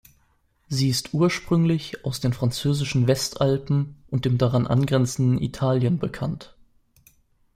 Sie ist ursprünglich aus den französischen Westalpen und dem daran angrenzenden Italien bekannt.